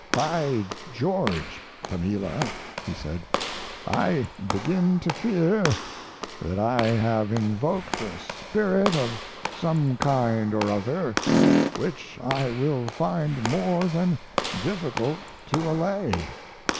"By George, Pamela," he said, "I begin to fear that I have invoked a spirit of some kind or other, which I will find more than difficult to allay."